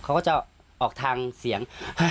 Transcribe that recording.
เขาก็จะออกทางเสียง